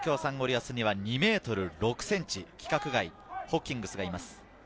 東京サンゴリアスには２ｍ６ｃｍ、規格外、ホッキングスがいます。